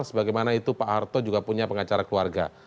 sebagaimana itu pak harto juga punya pengacara keluarga